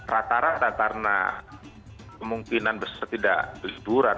rata rata karena kemungkinan besar tidak liburan